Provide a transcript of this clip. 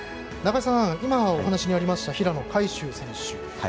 中井さん、今お話にありました平野海祝選手